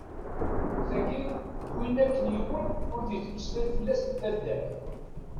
Tagi d win akken yiwen ur d-yettmeslay fell-as deg taddart.